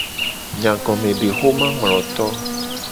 Nyagomedexomangloto.